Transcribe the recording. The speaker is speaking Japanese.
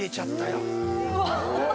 うわ。